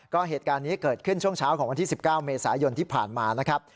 ก็เหตุการณ์นี้เกิดขึ้นช่วงเช้าของวันที่๑๙เมษายนที่ผ่านมานะครับ